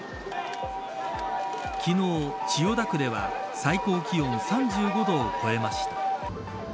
昨日、千代田区では最高気温、３５度を超えました。